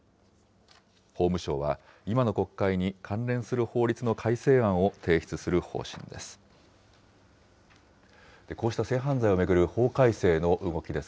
法務省は、今の国会に関連する法律の改正案を提出する方針です。